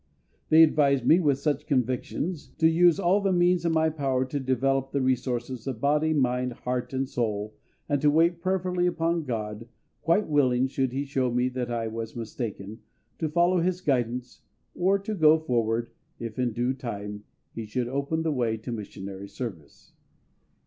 They advised me, with such convictions, to use all the means in my power to develop the resources of body, mind, heart, and soul, and to wait prayerfully upon GOD, quite willing, should He show me that I was mistaken, to follow His guidance, or to go forward if in due time He should open the way to missionary service.